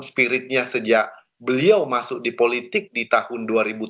spiritnya sejak beliau masuk di politik di tahun